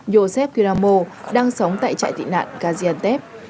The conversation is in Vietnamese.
giờ yosef kiramo đang sống tại trại tị nạn gaziantep